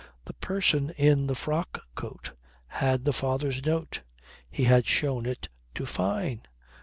The person in the frock coat had the father's note; he had shown it to Fyne.